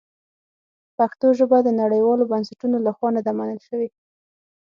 پښتو ژبه د نړیوالو بنسټونو لخوا نه ده منل شوې.